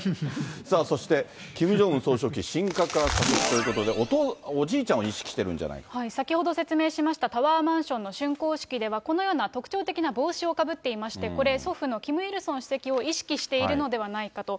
そして、キム・ジョンウン総書記、神格化が加速ということで、おじいちゃんを意識してるんじゃない先ほど説明しましたタワーマンションのしゅんこう式では、このような特徴的な帽子をかぶっていまして、これ、祖父のキム・イルソン主席を意識しているのではないかと。